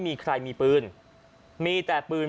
พี่บ้านไม่อยู่ว่าพี่คิดดูด